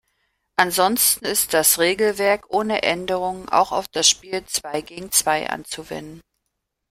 Ansonsten ist das Regelwerk ohne Änderungen auch auf das Spiel zwei gegen zwei anzuwenden.